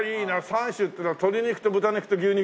３種っていうのは鶏肉と豚肉と牛肉？